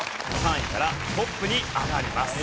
３位からトップに上がります。